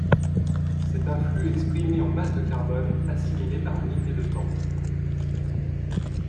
C'est un flux exprimé en masse de carbone assimilé par unité de temps.